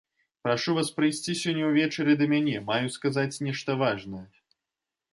Прашу вас прыйсці сёння ўвечары да мяне, маю сказаць нешта важнае.